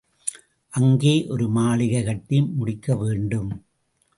அங்கே ஒரு மாளிகை கட்டி முடிக்க வேண்டும்.